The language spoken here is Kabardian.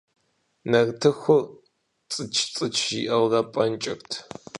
Нартыхур цӏыч-цӏыч жиӏэурэ пӏэнкӏырт.